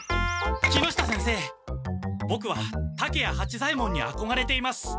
木下先生ボクは竹谷八左ヱ門にあこがれています。